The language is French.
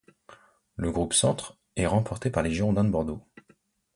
Le groupe Centre est remporté par les Girondins de Bordeaux.